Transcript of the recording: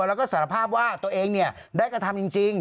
แล้วก็สารภาพว่าตัวเองได้กระทำจริง